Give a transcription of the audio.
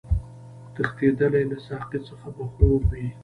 تښتېدلی له ساقي څخه به خوب وي